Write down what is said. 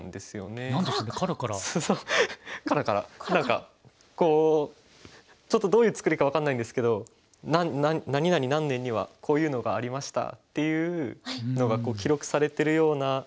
何かこうちょっとどういう作りか分かんないんですけど「何々何年にはこういうのがありました」っていうのが記録されてるような。